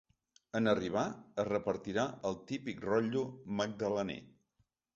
En arribar, es repartirà el típic rotllo magdalener.